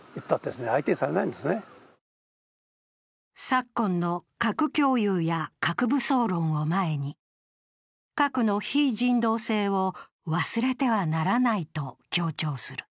昨今の核共有や核武装論を前に核の非人道性を忘れてはならないと強調する。